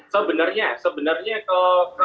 sebenarnya sebenarnya kalau